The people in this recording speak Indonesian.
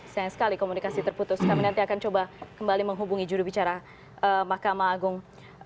sayang sekali komunikasi terputus kami nanti akan coba kembali menghubungi jurubicara mahkamah agung